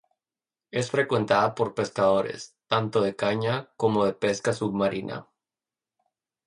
Es frecuentada por pescadores, tanto de caña como de pesca submarina.